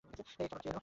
এই, খাবার খেয়ে যাও।